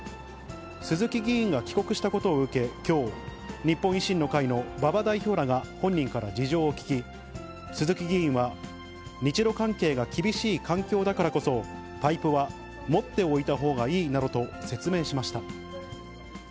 鈴木議員が帰国したことを受け、きょう、日本維新の会の馬場代表らが本人から事情を聞き、鈴木議員は、日ロ関係が厳しい環境だからこそ、パイプは持っておいたほうがいいなどと説明しました。